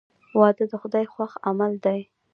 • واده د خدای خوښ عمل دی.